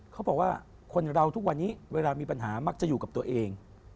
เขาบอกว่าคนเราทุกวันนี้เวลามีปัญหามักจะอยู่กับตัวเอง